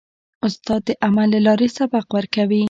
استاد د عمل له لارې سبق ورکوي.